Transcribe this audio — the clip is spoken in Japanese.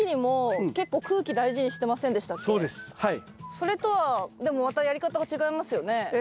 それとはでもまたやり方が違いますよね。